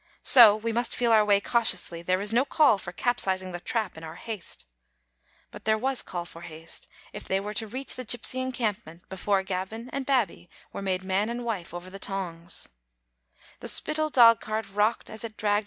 So we must feel our way cautiously; there is no call for capsizing the trap in our haste. " But there was call for haste if they were to reach the gypsy encampment before Gavin and Babbie were made man and wife over the tongs.